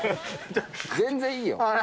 全然いいよ。